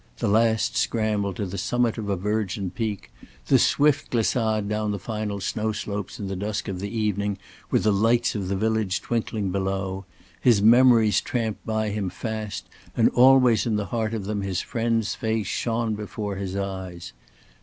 the last scramble to the summit of a virgin peak; the swift glissade down the final snow slopes in the dusk of the evening with the lights of the village twinkling below; his memories tramped by him fast and always in the heart of them his friend's face shone before his eyes.